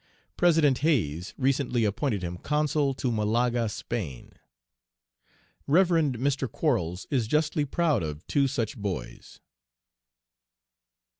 President Hayes recently appointed him consul to Malaga, Spain. "Rev. Mr. Quarles is justly proud of two such boys."